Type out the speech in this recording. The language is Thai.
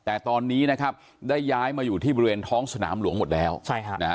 แต่ตอนนี้นะครับได้ย้ายมาอยู่ที่บริเวณท้องสนามหลวงหมดแล้วใช่ฮะนะฮะ